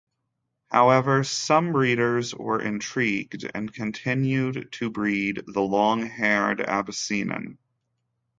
However, some breeders were intrigued and continued to breed the long-haired Abyssinian.